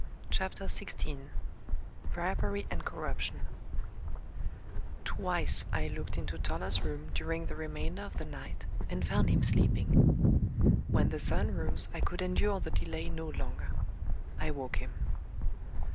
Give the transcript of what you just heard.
CHAPTER XVI BRIBERY AND CORRUPTION Twice, I looked into Toller's room during the remainder of the night, and found him sleeping. When the sun rose, I could endure the delay no longer. I woke him.